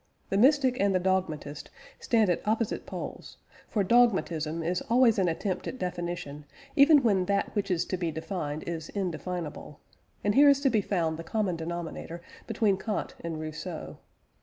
The mystic and the dogmatist stand at opposite poles, for dogmatism is always an attempt at definition even when that which is to be defined is indefinable; and here is to be found the common denominator between Kant and Rousseau.